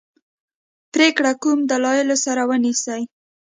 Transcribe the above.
پرېکړه کوم دلایلو سره ونیسي.